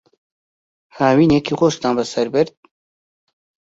هاوینێکی خۆشتان بەسەر برد؟